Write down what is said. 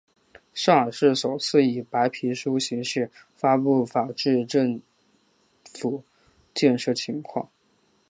上海市首次以白皮书形式发布法治政府建设情况。